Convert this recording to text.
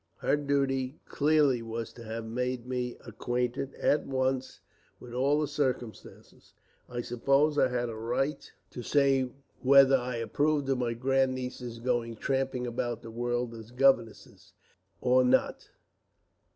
Her duty clearly was to have made me acquainted, at once, with all the circumstances. I suppose I had a right to say whether I approved of my grandnieces going tramping about the world as governesses, or not.